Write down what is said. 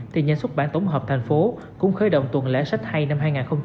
thì nhà xuất bản tổng hợp thành phố cũng khởi động tuần lễ sách hay năm hai nghìn hai mươi bốn